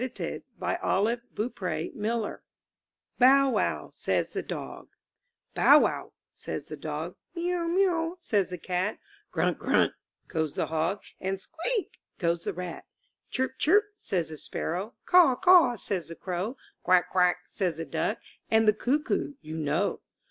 I N THE NURSERY "BOW, WOW " SAYS THE DOG ^^tJOW, wow/' says the dog, ''Mew, mew,'* says the cat, '*Grunt, grunt,'' goes the hog. And ''Squeak!" goes the rat. "Chirp, chirp," says the sparrow, "Caw, caw," says the crow, "Quack, quack," says the duck, And the cuckoo you know.